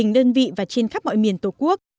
dân vị và trên khắp mọi miền tổ quốc